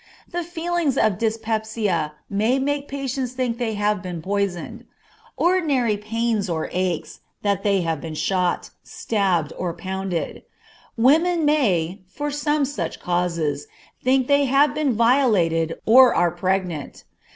The feelings of dyspepsia may make patients think they have been poisoned; ordinary pains or aches, that they have been shot, stabbed, or pounded; women may, for some such causes, think they have been violated or are pregnant.